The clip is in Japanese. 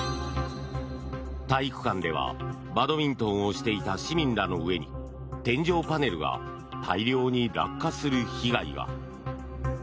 体育館ではバドミントンをしていた市民らの上に天井パネルが大量に落下する被害が。